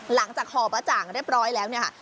หลังจากหอประจ่างเรียบร้อยแล้วเนี่ยค่ะ